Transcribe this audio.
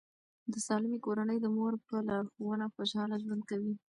د سالمې کورنۍ د مور په لارښوونه خوشاله ژوند کوي.